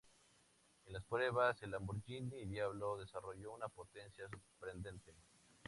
En las pruebas, el Lamborghini Diablo desarrolló una potencia sorprendente.